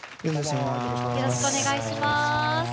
よろしくお願いします。